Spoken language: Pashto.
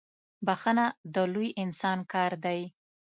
بخښنه د لوی انسان کار دی.